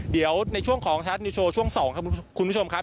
เดี๋ยวในช่วงของไทยรัฐนิวโชว์ช่วง๒ครับคุณผู้ชมครับ